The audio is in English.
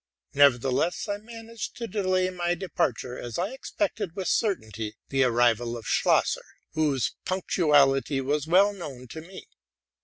Nevertheless, I managed to delay my departure, as I expected with certainty the arrival of Schlosser, whose punctuality was well known to me.